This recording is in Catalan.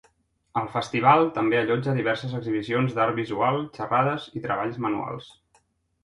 El festival també allotja diverses exhibicions d'art visual, xerrades i treballs manuals.